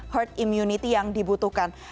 heart immunity yang dibutuhkan